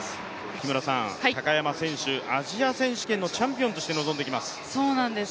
木村さん、高山選手、アジア選手権のチャンピオンとして臨んできます。